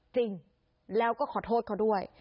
จริงแล้วก็ขอโทษเขาด้วย